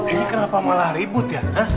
ini kenapa malah ribut ya